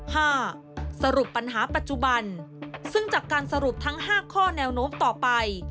สรุปปัญหาปัจจุบันซึ่งจากการสรุปทั้งห้าข้อแนวโน้มต่อไป